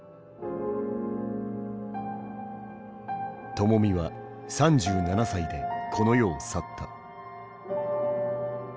ともみは３７歳でこの世を去った。